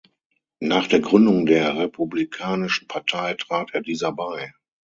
Nach der Gründung der Republikanischen Partei trat er dieser bei.